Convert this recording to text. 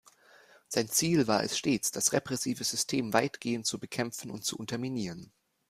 Sein Ziel war es stets, das repressive System weitgehend zu bekämpfen und zu unterminieren.